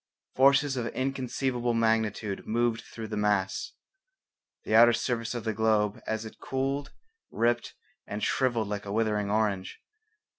Forces of inconceivable magnitude moved through the mass. The outer surface of the globe as it cooled ripped and shrivelled like a withering orange.